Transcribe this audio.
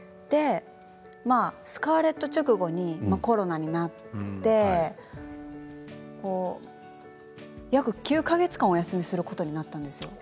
「スカーレット」直後にコロナになって約９か月間、お休みすることになったんですよ。